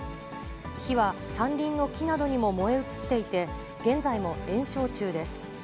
火は山林の木などにも燃え移っていて、現在も延焼中です。